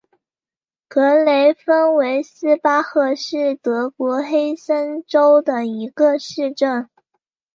格雷芬维斯巴赫是德国黑森州的一个市镇。